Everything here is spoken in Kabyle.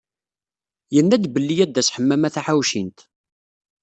Yenna-d belli ad d-tas Ḥemmama Taḥawcint.